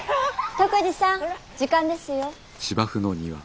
篤二さん時間ですよ。